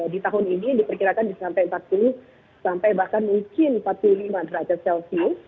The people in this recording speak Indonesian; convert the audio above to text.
di tahun ini diperkirakan bisa sampai empat puluh sampai bahkan mungkin empat puluh lima derajat celcius